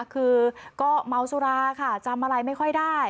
คือก็เมาสุราค่ะจำอะไรไม่ค่อยได้